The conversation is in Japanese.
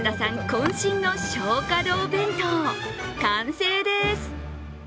こん身の松花堂弁当、完成です。